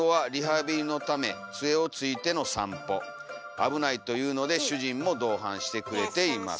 危ないというので主人も同伴してくれています」。